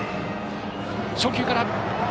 初球から！